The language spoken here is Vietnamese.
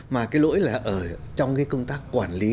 mà cái lỗi là ở trong cái công tác quản lý